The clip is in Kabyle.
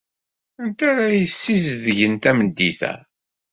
Anti ara d-yessizedgen tameddit-a?